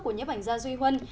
của nhấp ảnh gia duy huân